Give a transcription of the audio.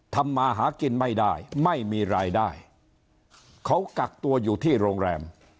ทำมาหากินไม่ได้ไม่มีรายได้เขากักตัวอยู่ที่โรงแรม